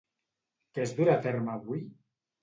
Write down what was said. Què es durà a terme avui?